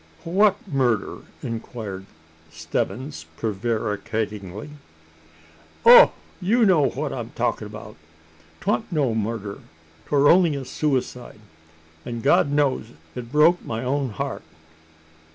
"What murder?" inquired Stebbins, prevaricatingly. "Oh! you know what I'm talkin' about! 'Twant no murder. 'Twar only a suicide; an' God knows it broke my own heart."